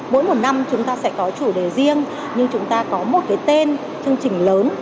mỗi một năm chúng ta sẽ có chủ đề riêng nhưng chúng ta có một cái tên chương trình lớn